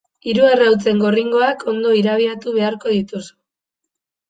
Hiru arrautzen gorringoak ondo irabiatu beharko dituzu.